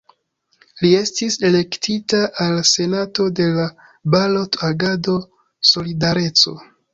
Li estis elektita al Senato de la Balot-Agado "Solidareco".